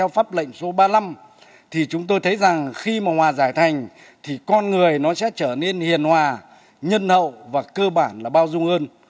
pháp lệnh số ba mươi năm thì chúng tôi thấy rằng khi mà hòa giải thành thì con người nó sẽ trở nên hiền hòa nhân hậu và cơ bản là bao dung hơn